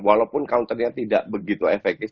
walaupun counternya tidak begitu efektif